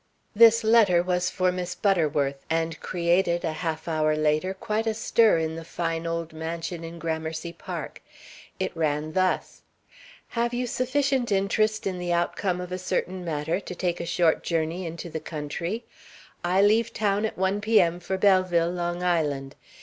This letter was for Miss Butterworth, and created, a half hour later, quite a stir in the fine old mansion in Gramercy Park. It ran thus: Have you sufficient interest in the outcome of a certain matter to take a short journey into the country? I leave town at 1 P.M. for Belleville, Long Island.